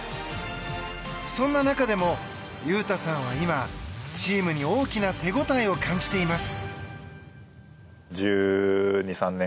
そんな中でも、雄太さんは今チームに大きな手応えを感じています。